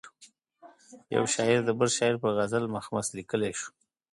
یو شاعر د بل شاعر پر غزل مخمس لیکلای شو.